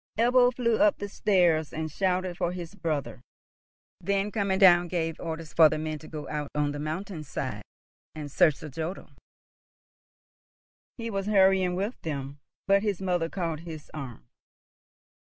Ebbo flew up the stairs, and shouted for his brother; then, coming down, gave orders for the men to go out on the mountain side, and search and jodel. He was hurrying with them, but his mother caught his arm.